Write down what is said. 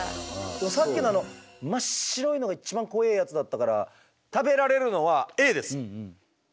でもさっきのあの真っ白いのが一番怖えやつだったから食べられるのはＡです。